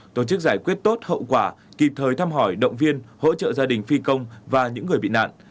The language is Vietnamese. tổ chức giải quyết tốt hậu quả kịp thời thăm hỏi động viên hỗ trợ gia đình phi công và những người bị nạn